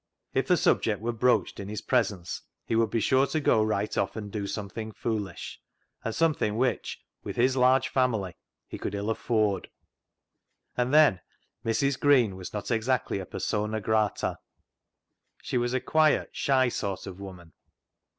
If the subject were broached in his presence he would be sure to go right off and do something foolish, and something which, with his large family, he could ill afford. And then Mrs. Green was not exactly a persona grata. She was a quiet, shy sort of woman.